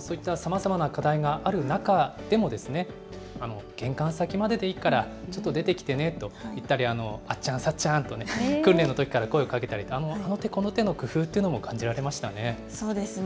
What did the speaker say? そういったさまざまな課題がある中でも、玄関先まででいいから、ちょっと出てきてねといったり、あっちゃん、さっちゃんってね、訓練のときから声をかけたり、あの手この手の工夫というのも感じそうですね。